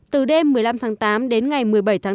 từ đêm một mươi năm tháng tám đến ngày một mươi bảy tháng tám